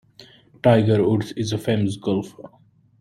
Tiger Woods is a famous golfer.